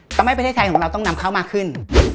ทำให้ประเทศไทยของเราต้องนำเข้ามากขึ้น